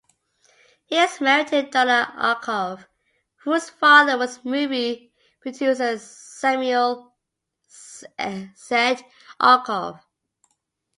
He is married to Donna Arkoff whose father was movie producer Samuel Z. Arkoff.